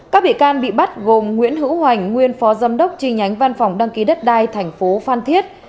các bể can bị bắt gồm nguyễn hữu hoành nguyên phó giám đốc chi nhánh văn phòng đăng ký đất đai thành phố phan thiết